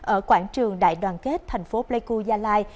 ở quảng trường đại đoàn kết thành phố pleiku gia lai